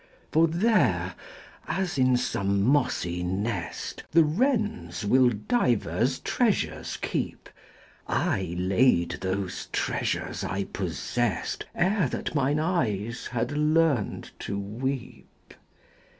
For there, as in some mossy nest The wrens will divers treasures keep, I laid those treasures I possessed Ere that mine eyes had learned to weep.